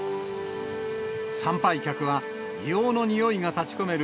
参拝客は硫黄のにおいが立ちこめる